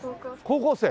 高校生？